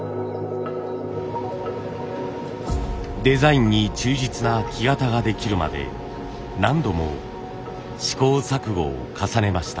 デザインに忠実な木型ができるまで何度も試行錯誤を重ねました。